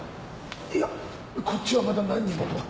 いやこっちはまだ何も。